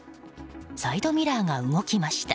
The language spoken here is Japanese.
サイドミラーが動きました。